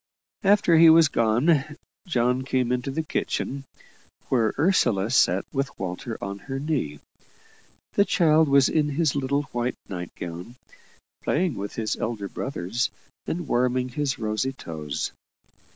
After he was gone, John came into the kitchen, where Ursula sat with Walter on her knee. The child was in his little white night gown, playing with his elder brothers, and warming his rosy toes.